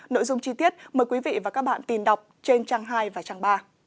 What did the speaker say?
nội dung chi tiết mời quý vị và các bạn tìm đọc trên trang hai và trang ba